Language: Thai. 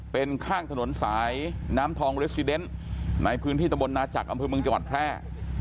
เป็นข้างถนนสายน้ำทองในพื้นที่ตำบลนาจักรอบพลเมืองจังหวัดแพร่